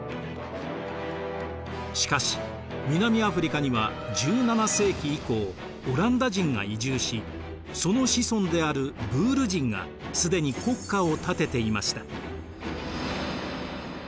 しかし南アフリカには１７世紀以降オランダ人が移住しその子孫であるブール人が既に国家を建てていました。